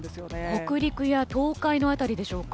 北陸や東海の辺りでしょうか。